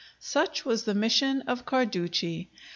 Such was the mission of Carducci.